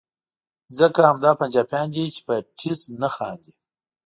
ځکه همدا پنجابیان دي چې په ټیز نه خاندي.